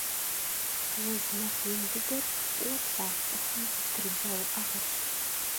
Уз нэхъ ин дыдэр фӀыуэ плъагъу цӀыхум къыптридза уӀэгъэрщ.